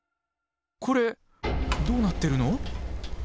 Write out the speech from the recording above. コレどうなってるの！？